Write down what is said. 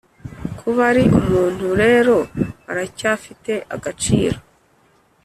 kuba ari umuntu rero aracyafite agaciro,